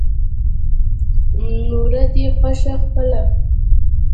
نوره دې خوښه خپله.